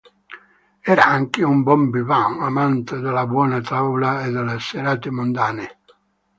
Era anche un "bon vivant", amante della buona tavola e delle serate mondane.